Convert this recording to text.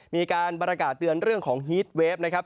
มีการประกาศเตือนเรื่องของฮีตเวฟนะครับ